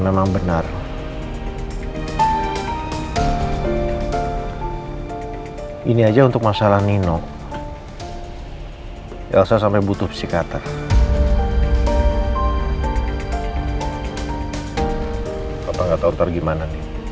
memang benar ini aja untuk masalah nino elsa sampai butuh psikater atau nggak tahu tergimana